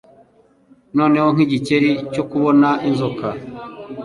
Noneho nkigikeri cyo kubona inzoka